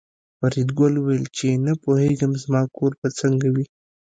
فریدګل وویل چې نه پوهېږم زما کور به څنګه وي